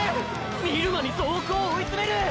見る間に総北を追いつめる！！